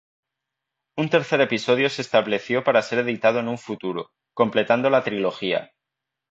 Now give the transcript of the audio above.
Un tercer episodio se estableció para ser editado en un futuro, completando la trilogía.